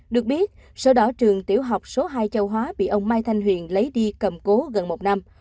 được biết sau đó trường tiểu học số hai châu hóa bị ông mai thanh huyền lấy đi cầm cố gần một năm